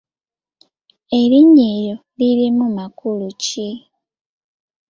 Erinnya eryo lirimu makulu ki?